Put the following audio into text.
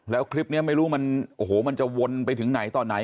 แล้วคลิปนี้ไม่รู้มันโอ้โหมันจะวนไปถึงไหนต่อไหน